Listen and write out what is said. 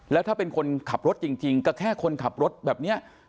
แล้วถ้าเป็นคนขับรถจริงก็แค่คนขับรถแบบนี้